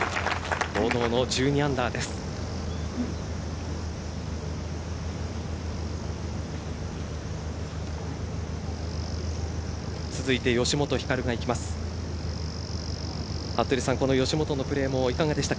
堂々の１２アンダーです。